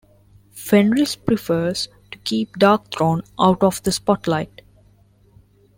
Fenriz prefers to keep Darkthrone out of the spotlight.